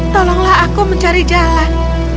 tolonglah aku mencari jalan